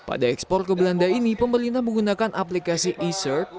pada ekspor ke belanda ini pemerintah menggunakan aplikasi e shirt